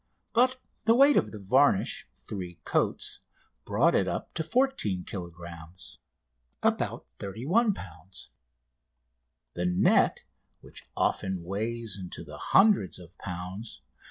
But the weight of the varnish, three coats, brought it up to 14 kilogrammes (about 31 lbs.). The net, which often weighs into the hundreds of lbs.